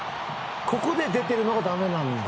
ここで出てるのがだめなんだ。